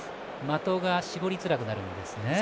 的が絞りづらくなるんですね。